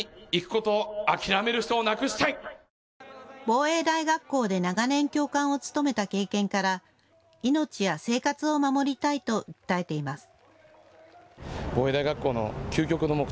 防衛大学校で長年、教官を務めた経験から命や生活を守りたいと訴えています。